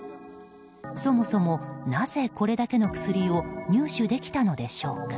そもそも、なぜこれだけの薬を入手できたのでしょうか。